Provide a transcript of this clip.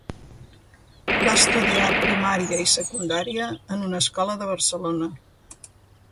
Va estudiar primària i secundària en una escola de Barcelona.